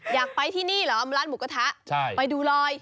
อยากไปที่นี่เหรอร้านหมูกระทะไปดูลอย